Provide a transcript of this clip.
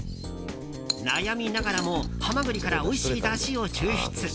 悩みながらもハマグリからおいしいだしを抽出。